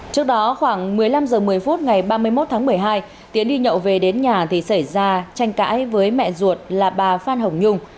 trước đó khoảng một mươi năm h một mươi phút ngày ba mươi một tháng một mươi hai tiến đi nhậu về đến nhà thì xảy ra tranh cãi với mẹ ruột là bà phan hồng nhung